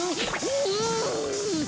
うん！